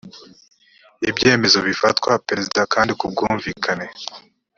ibyemezo bifatwa perezida kandi ku bwumvikane